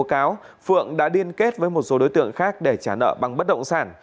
vì chủ nợ tố cáo phượng đã điên kết với một số đối tượng khác để trả nợ bằng bất động sản